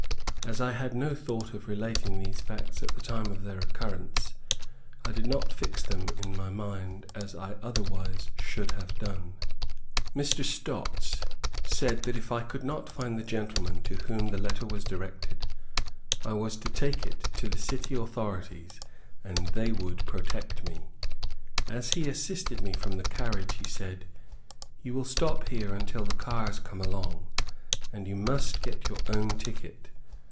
As I had no thought of relating these facts at the time of their occurrence, I did not fix them in my mind as I otherwise should have done. Mr. Stots said that if I could not find the gentleman to whom the letter was directed, I was to take it to the city authorities, and they would protect me. As he assisted me from the carriage he said, "You will stop here until the cars come along, and you must get your own ticket.